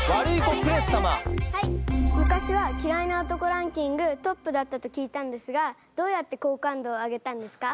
昔は嫌いな男ランキングトップだったと聞いたんですがどうやって好感度を上げたんですか？